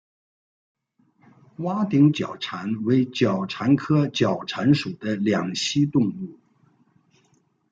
凹顶角蟾为角蟾科角蟾属的两栖动物。